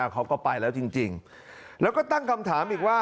เขาก็ไปแล้วจริงแล้วก็ตั้งคำถามอีกว่า